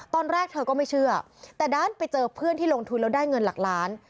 ตอนแรกเธอก็ไม่เชื่อแต่ด้านไปเจอเพื่อนที่ลงทุนแล้วได้เงินหลักล้าน